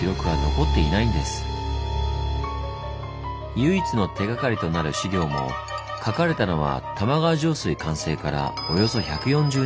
唯一の手がかりとなる資料も書かれたのは玉川上水完成からおよそ１４０年後。